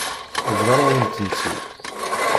Bḍan-awen-tent-id.